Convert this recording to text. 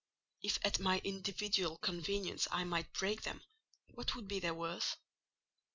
If at my individual convenience I might break them, what would be their worth?